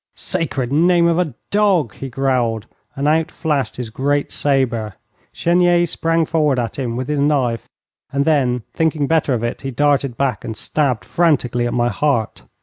'Sacred name of a dog!' he growled, and out flashed his great sabre. Chenier sprang forward at him with his knife, and then, thinking better of it, he darted back and stabbed frantically at my heart.